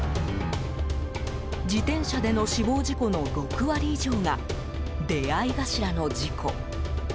自転車での死亡事故の６割以上が出会い頭の事故。